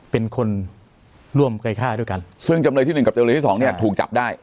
เป็นคนร่วมเคยฆ่าด้วยกันซึ่งจำเลยที่หนึ่งกับจำเลยที่สองเนี่ยถูกจับได้